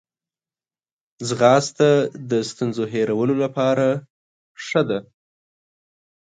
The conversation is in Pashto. ځغاسته د ستونزو هیرولو لپاره ښه ده